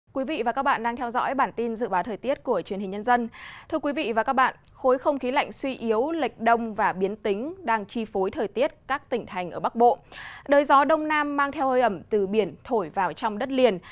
các bạn hãy đăng ký kênh để ủng hộ kênh của chúng mình nhé